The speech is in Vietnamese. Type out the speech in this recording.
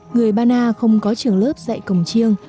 người ba na không có trường lớp dạy cổng chiêng